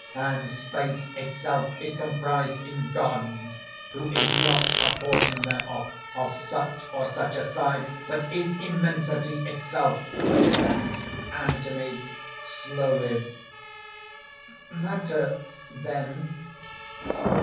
And Space itself is comprised in God, who is not a portion thereof of such or such a size, but is Immensity itself!" ANTHONY (slowly): "Matter ..., then